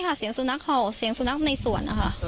ใช่ค่ะเสียงสุนัขฮอล์เสียงสุนัขในสวนอะค่ะ